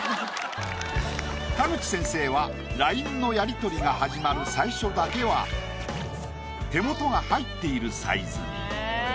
田口先生はＬＩＮＥのやりとりが始まる最初だけは手元が入っているサイズに。